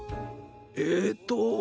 えっと。